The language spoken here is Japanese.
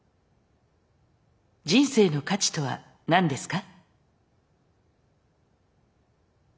人生の価値とは何ですか？